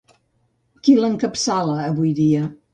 Qui l'encapçala avui dia?